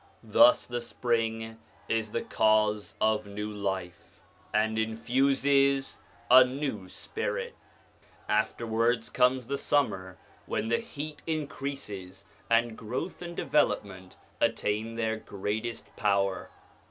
Thus the spring is the cause of new life, and infuses a new spirit. Afterwards comes the summer, when the heat in 84 SOME ANSWERED QUESTIONS creases, and growth and development attain their greatest power.